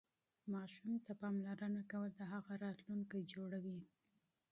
ماشوم ته پاملرنه کول د هغه راتلونکی جوړوي.